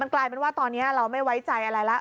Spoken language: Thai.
กลายเป็นว่าตอนนี้เราไม่ไว้ใจอะไรแล้ว